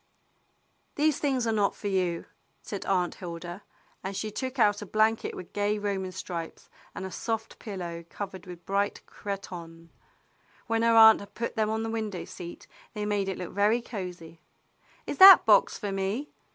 "These things are not for you," said Aunt Hilda. And she took out a blanket with gay Roman stripes, and a soft pillow covered with bright cretonne. Wlien her aunt had put them on the window seat they made it look very cozy. "Is that box for me.